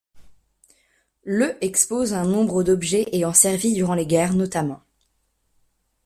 Le expose un nombre d'objets ayant servi durant les guerres, notamment.